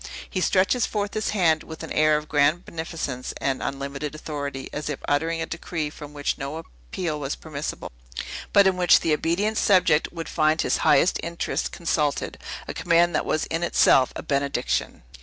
He stretches forth his hand with an air of grand beneficence and unlimited authority, as if uttering a decree from which no appeal was permissible, but in which the obedient subject would find his highest interests consulted; a command that was in itself a benediction.